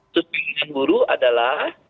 sudut pilihan buruh adalah